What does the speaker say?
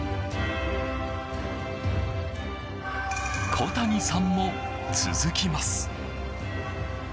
小谷さんも続きます。